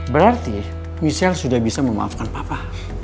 berarti michelle sudah bisa memaafkan papa